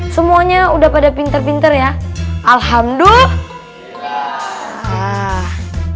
semuanya udah pada pinter pinter ya alhamdulillah